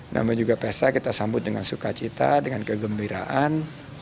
namun juga pesta kita sambut dengan sukacita dengan kegembiraan